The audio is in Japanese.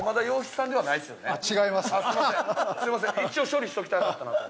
すいません一応処理しときたかったなと。